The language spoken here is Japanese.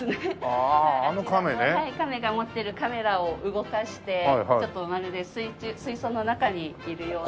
カメが持ってるカメラを動かしてちょっとまるで水槽の中にいるような。